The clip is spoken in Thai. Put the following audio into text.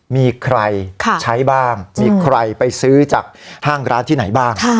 มีใครใช้บ้างมีใครไปซื้อจากห้างร้านที่ไหนบ้าง